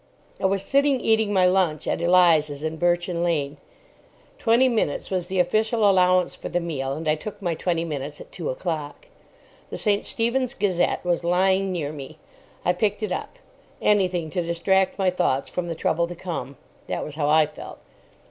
I was sitting eating my lunch at Eliza's in Birchin Lane. Twenty minutes was the official allowance for the meal, and I took my twenty minutes at two o'clock. The St. Stephen's Gazette was lying near me. I picked it up. Anything to distract my thoughts from the trouble to come. That was how I felt.